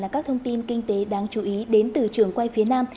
là các thông tin kinh tế đáng chú ý đến từ trường quay phía nam